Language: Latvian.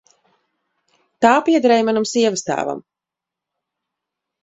Tā piederēja manam sievastēvam.